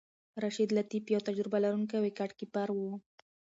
راشد لطيف یو تجربه لرونکی وکټ کیپر وو.